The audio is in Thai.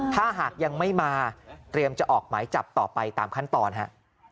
ถ้าหากยังไม่มาเตรียมจะออกหมายจับต่อไปตามขั้นตอนฮะ